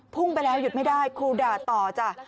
พุ่งไปแล้วหยุดไม่ได้ครูด่าต่อจ้ะ